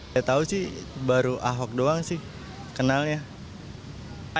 saya tahu sih baru ahok doang sih kenalnya